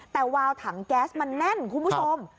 แต่วาวถังแก๊สมันแน่นคุณผู้ชม